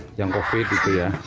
oh yang covid itu ya